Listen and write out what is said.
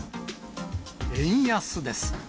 円安です。